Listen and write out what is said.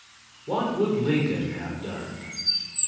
What would Lincoln have done?